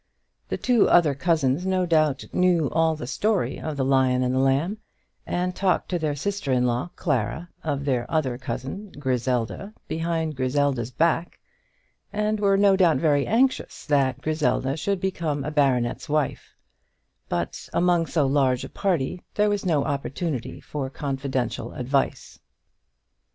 The two other cousins, no doubt, knew all the story of the Lion and the Lamb, and talked to their sister in law, Clara, of their other cousin, Griselda, behind Griselda's back; and were no doubt very anxious that Griselda should become a baronet's wife; but among so large a party there was no opportunity for confidential advice.